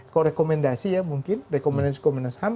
korekomendasi ya mungkin rekomendasi komnas ham